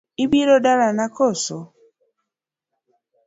Ibiro dalana koso?